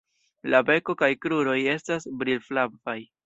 La beko kaj kruroj estas brilflavaj.